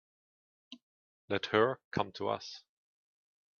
Let her come to us.